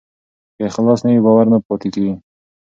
که اخلاص نه وي، باور نه پاتې کېږي.